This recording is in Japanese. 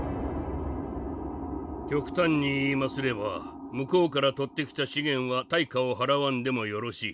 極端に言いますれば向こうから取ってきた資源は対価を払わんでもよろしい。